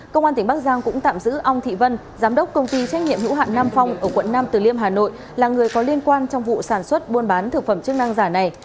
công an tỉnh bắc giang cũng tạm giữ ong thị vân giám đốc công ty trách nhiệm hữu hạn nam phong ở quận nam từ liêm hà nội là người có liên quan trong vụ sản xuất buôn bán thực phẩm chức năng giả này